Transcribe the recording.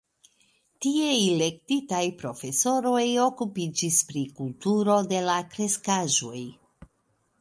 Tie elektitaj profesoroj okupiĝis pri kulturo de la kreskaĵoj.